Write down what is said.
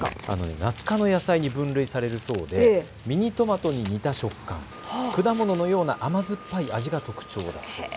なす科の野菜に分類されるそうでミニトマトに似た食感、果物のような甘酸っぱい味が特徴だそうです。